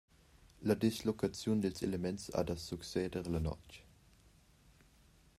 La dislocaziun dils elements ha da succeder la notg.